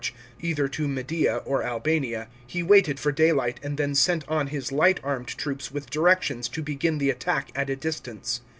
315 either to Media or Albania— he waited for daylight, and then sent on his light armed troops with directions to begin the attack at a distance.